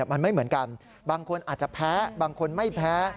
มันไม่เหมือนกันบางคนอาจจะแพ้บางคนไม่แพ้